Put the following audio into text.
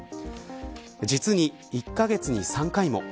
実に１カ月に３回も。